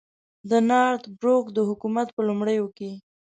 د نارت بروک د حکومت په لومړیو کې.